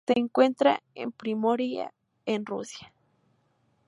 Se encuentra en Primorie en Rusia.